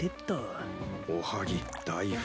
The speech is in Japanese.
おはぎ大福